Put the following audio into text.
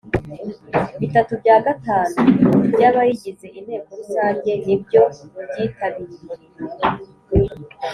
Bitatu bya gatanu by’ abayigize inteko rusange nibyo byitabiriye